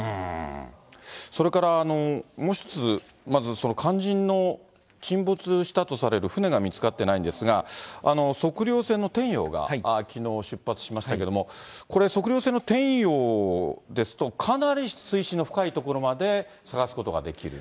それからもう一つ、まず肝心の沈没したとされる船が見つかってないんですが、測量船の天洋がきのう出発しましたけど、これ、測量船の天洋ですと、かなり水深の深い所まで探すことができる？